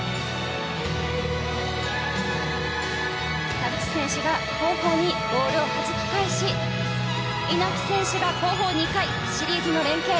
田口選手が後方にボールをはじき返し稲木選手が後方２回シリーズの連係。